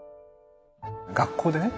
学校でね